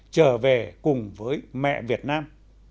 trở về cùng với mẹ việt nam